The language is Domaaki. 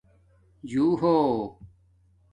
جُݸہو